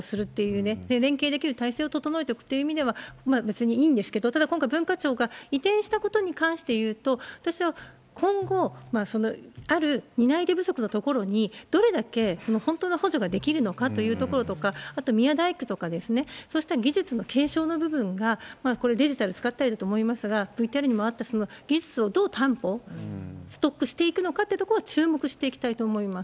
ただ、組織がなくても自治体が機能するっていうね、連携できる体制を整えていくっていう意味では別にいいんですけれども、ただ、今回、文化庁が移転したことに関していうと、私は今後、ある担い手不足のところに、どれだけ本当の補助ができるのかというところとか、あと、宮大工とか、そうした技術の継承の部分が、これ、デジタル使ってると思いますが、ＶＴＲにもあったその技術をどう担保、ストックしていくのかっていうところは注目していきたいと思います。